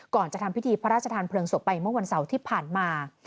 ก่อนจะทำพิธีพระราชทานเพลิงศพไปเมื่อวันเสาร์ที่ผ่านมา